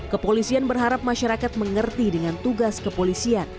kepolisian berharap masyarakat mengerti dengan tugas kepolisian